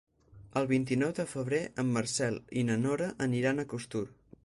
El vint-i-nou de febrer en Marcel i na Nora aniran a Costur.